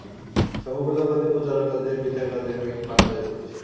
সমগ্র জগতে প্রচারকার্যের বৃথা কাজে আমি ক্লান্ত হয়ে পড়েছি।